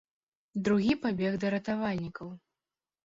Другі пабег да ратавальнікаў.